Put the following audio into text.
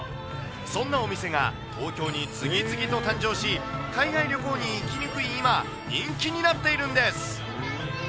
そんなお店が、東京に次々と誕生し、海外旅行に行きにくい今、人気になっているんです。